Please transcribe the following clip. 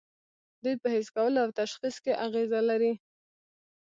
دوی په حس کولو او تشخیص کې اغیزه لري.